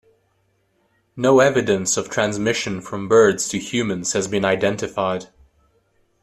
No evidence of transmission from birds to humans has been identified.